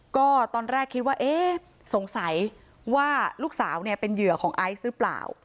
ก็ตอนแรกคิดว่าเอ๊ะสงสัยว่าลูกสาวเนี่ยเป็นเหยื่อของไอซ์หรือเปล่า